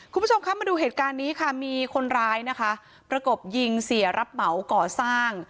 คุณผู้ชมคะมาดูเหตุการณ์นี้ค่ะมีคนร้ายนะคะประกบยิงเสียรับเหมาก่อสร้าง